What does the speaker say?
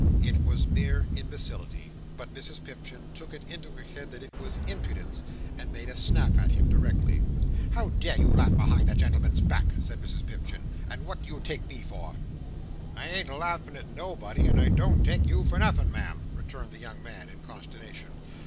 It was mere imbecility; but Mrs Pipchin took it into her head that it was impudence, and made a snap at him directly. "How dare you laugh behind the gentleman's back?" said Mrs Pipchin. "And what do you take me for?" "I ain't a laughing at nobody, and I'm sure I don't take you for nothing, Ma'am," returned the young man, in consternation.